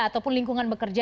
ataupun lingkungan bekerja